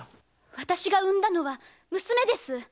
私が産んだのは娘です！